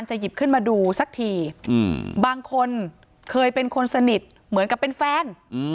หยิบขึ้นมาดูสักทีบางคนเคยเป็นคนสนิทเหมือนกับเป็นแฟน